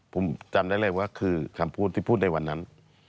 ผมจำได้เลยว่าคือคำพูดที่พูดในวันนั้น